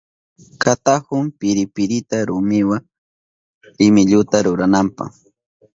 Kutahun piripirita rumiwa rimilluta rurananpa.